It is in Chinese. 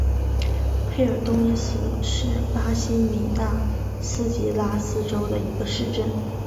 佩尔东伊斯是巴西米纳斯吉拉斯州的一个市镇。